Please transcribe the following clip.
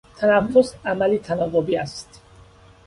تنفس عملی تناوبی است.